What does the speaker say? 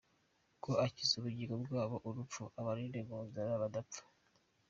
Ngo akize ubugingo bwabo urupfu, Abarinde mu nzara badapfa.